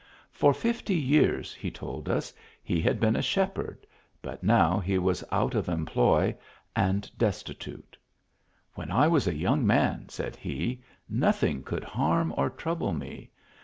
For fifty years, he told us, he had been a shepherd, but now he was out of employ, and desti tute. " When I was a young man," said he, " noth ing could harm or trouble me.